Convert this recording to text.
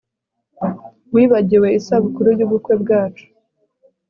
Wibagiwe isabukuru yubukwe bwacu